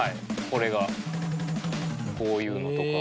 これがこういうのとか。